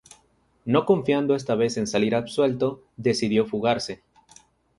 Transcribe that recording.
No confiando esta vez en salir absuelto, decidió fugarse.